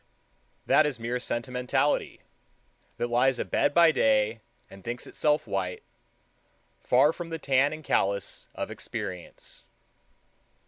That is mere sentimentality that lies abed by day and thinks itself white, far from the tan and callus of experience.